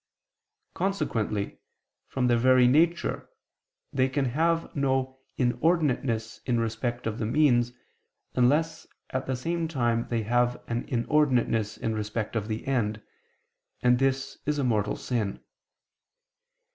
Consequently, from their very nature, they can have no inordinateness in respect of the means, unless at the same time they have an inordinateness in respect of the end, and this is a mortal sin.